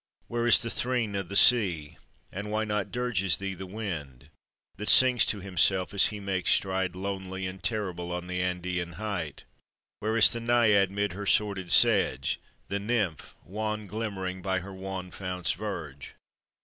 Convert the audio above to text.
Where is the threne o' the sea? And why not dirges thee The wind, that sings to himself as he makes stride Lonely and terrible on the Andéan height? Where is the Naiad 'mid her sworded sedge? The Nymph wan glimmering by her wan fount's verge?